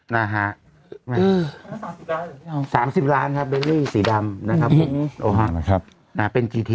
นะฮะเออสามสิบล้านครับสีดำนะครับนะครับ